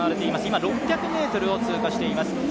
今、６００ｍを通過しています。